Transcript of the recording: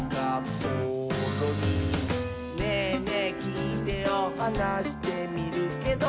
「『ねぇねぇきいてよ』はなしてみるけど」